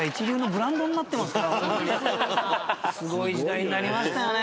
すごい時代になりましたよね。